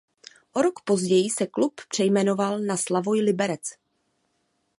O rok později se klub přejmenoval na Slavoj Liberec.